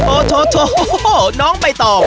โอ้โธโธน้องไปต่อ